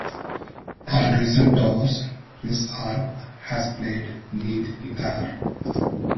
On recent tours, Chris Arp has played lead guitar.